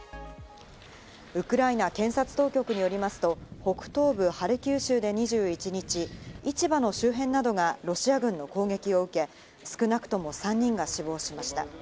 ウクライナ検察当局によりますと、北東部ハルキウ州で２１日、市場の周辺などがロシア軍の攻撃を受け、少なくとも３人が死亡しました。